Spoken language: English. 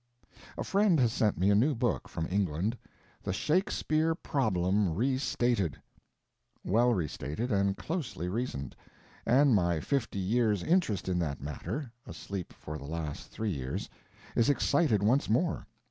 A friend has sent me a new book, from England—The Shakespeare Problem Restated—well restated and closely reasoned; and my fifty years' interest in that matter—asleep for the last three years—is excited once more.